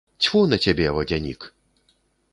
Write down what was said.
Цьфу на цябе, вадзянік.